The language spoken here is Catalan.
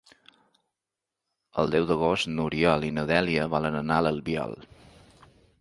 El deu d'agost n'Oriol i na Dèlia volen anar a l'Albiol.